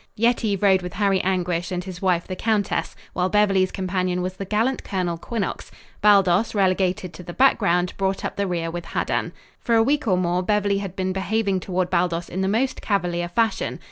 Yetive rode with Harry Anguish and his wife the countess, while Beverly's companion was the gallant Colonel Quinnox. Baldos, relegated to the background, brought up the rear with Haddan. For a week or more Beverly had been behaving toward Baldos in the most cavalier fashion.